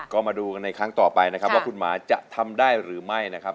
ก็มาดูกันในครั้งต่อไปนะครับว่าคุณหมาจะทำได้หรือไม่นะครับ